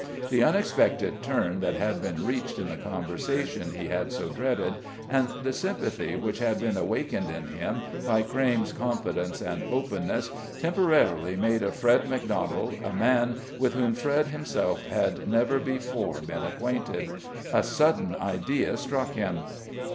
The unexpected turn that had been reached in the conversation he had so dreaded, and the sympathy which had been awakened in him by Crayme's confidence and openness, temporarily made of Fred Macdonald a man with whom Fred himself had never before been acquainted. A sudden idea struck him.